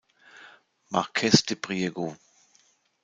Marques de Priego.